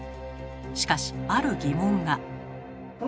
しかしある疑問が。